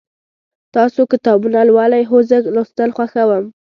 تاسو کتابونه لولئ؟ هو، زه لوستل خوښوم